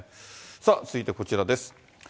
さあ、続いてこちらです。